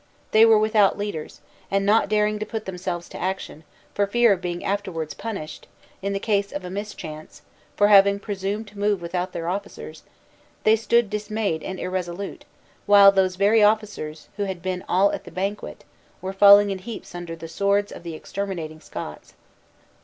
They were without leaders, and not daring to put themselves to action, for fear of being afterward punished (in the case of a mischance) for having presumed to move without their officers, they stood dismayed and irresolute, while those very officers, who had been all at the banquet, were falling in heaps under the swords of the exterminating Scots.